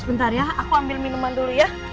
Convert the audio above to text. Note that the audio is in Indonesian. sebentar ya aku ambil minuman dulu ya